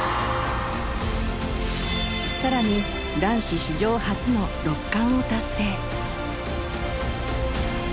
更に男子史上初の六冠を達成。